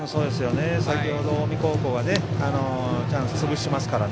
先程、近江高校がチャンスを潰していますから